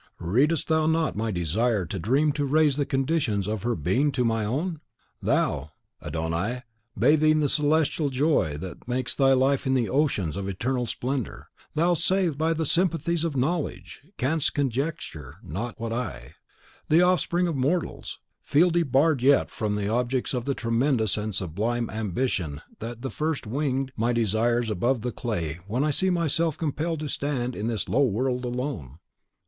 Readest thou not my desire and dream to raise the conditions of her being to my own? Thou, Adon Ai, bathing the celestial joy that makes thy life in the oceans of eternal splendour, thou, save by the sympathies of knowledge, canst conjecture not what I, the offspring of mortals, feel debarred yet from the objects of the tremendous and sublime ambition that first winged my desires above the clay when I see myself compelled to stand in this low world alone.